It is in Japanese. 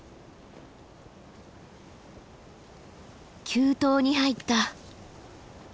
急登に入った。